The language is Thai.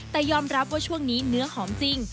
แต่ยอมรับว่าช่วงนี้เนื้อหอมจริง